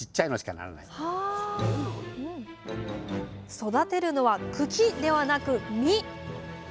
育てるのは茎ではなく実！